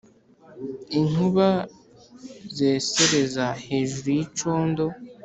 Inkuba zesereza hejuru y’icondo